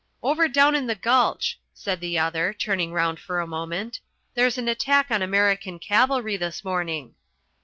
"Over down in the gulch," said the other, turning round for a moment. "There's an attack on American cavalry this morning."